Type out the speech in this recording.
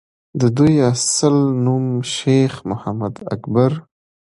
دَدوي اصل نوم شېخ محمد اکبر